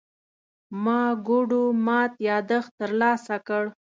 ما ګوډو مات يادښت ترلاسه کړ.